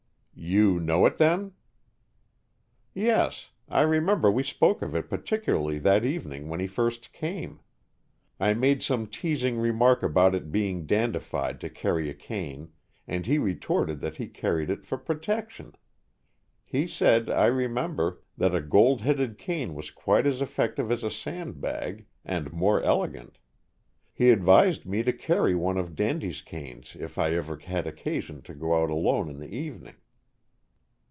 "You know it, then?" "Yes. I remember we spoke of it particularly that evening when he first came. I made some teasing remark about it being dandified to carry a cane, and he retorted that he carried it for protection. He said, I remember, that a gold headed cane was quite as effective as a sandbag, and more elegant. He advised me to carry one of Dandy's canes if I ever had occasion to go out alone in the evening."